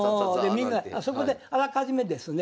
そこであらかじめですね